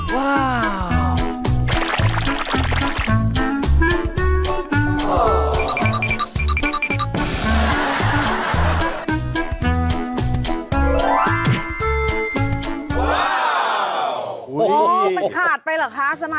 สกิดยิ้ม